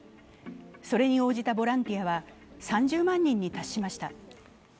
それに応じたボランティアは３０万人に達しました。